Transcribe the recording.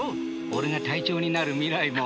俺が隊長になる未来も。